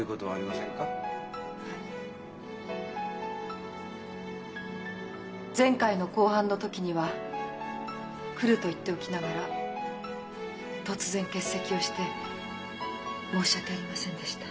はい前回の公判の時には「来る」と言っておきながら突然欠席をして申し訳ありませんでした。